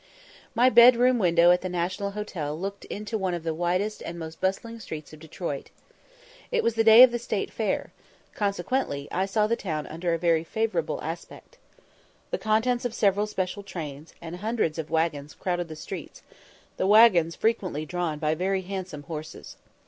My bed room window at the National Hotel looked into one of the widest and most bustling streets of Detroit. It was the day of the State fair, consequently I saw the town under a very favourable aspect. The contents of several special trains, and hundreds of waggons, crowded the streets, the "waggons" frequently drawn by very handsome horses.